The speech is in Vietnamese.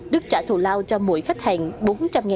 đức trả thù lao cho mỗi khách hàng